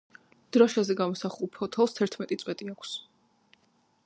დროშაზე გამოსახულ ფოთოლს თერთმეტი წვეტი აქვს.